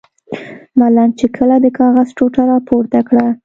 ملنګ چې کله د کاغذ ټوټه را پورته کړه.